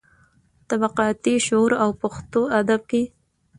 طبقاتي شعور او پښتو ادب کې.